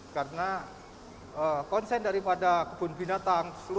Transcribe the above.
karena konsen daripada kebun binatang seluruh dunia pun ya